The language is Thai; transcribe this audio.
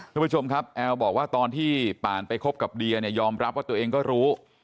ทุกผู้ชมครับแอลบอกว่าตอนที่ป่านไปคบกับเดียเนี่ยยอมรับว่าตัวเองก็รู้